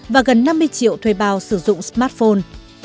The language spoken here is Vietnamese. và gần năm mươi triệu thuê bao sử dụng smartphone